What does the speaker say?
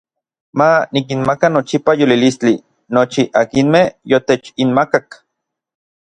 Ma nikinmaka nochipa yolilistli nochi akinmej yotechinmakak.